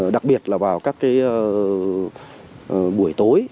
đặc biệt là vào các buổi tối